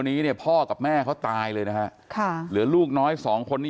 นี้เนี่ยพ่อกับแม่เขาตายเลยนะฮะค่ะเหลือลูกน้อยสองคนนี้